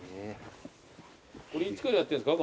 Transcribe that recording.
これいつからやってるんですか？